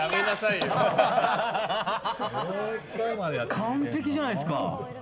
完璧じゃないですか。